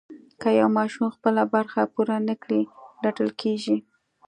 که یو ماشوم خپله برخه پوره نه کړي رټل کېږي.